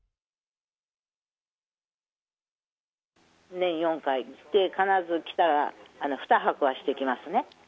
年４回来て、必ず来たら、２泊はしていきますね。